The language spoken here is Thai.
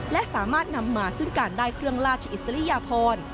และสามารถนำมาซึ่งการได้เครื่องราชอิสริยพร